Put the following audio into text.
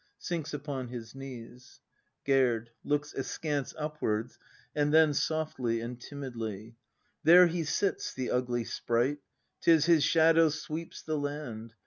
[Sinks upon his knees. Gerd. [Looks askance upwards, and then, softly and timidly.] There he sits, the ugly sprite! 'Tis his shadow sweeps the land.